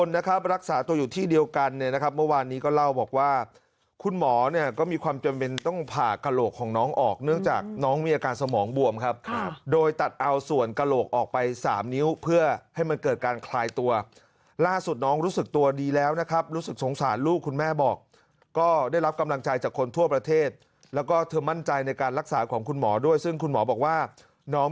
หมอก็มีความจำเป็นต้องผ่ากระโหลกของน้องออกเนื่องจากน้องมีอาการสมองบวมครับโดยตัดเอาส่วนกระโหลกออกไป๓นิ้วเพื่อให้มันเกิดการคลายตัวล่าสุดน้องรู้สึกตัวดีแล้วนะครับรู้สึกสงสารลูกคุณแม่บอกก็ได้รับกำลังใจจากคนทั่วประเทศแล้วก็เธอมั่นใจในการรักษาของคุณหมอด้วยซึ่งคุณหมอบอกว่าน้อง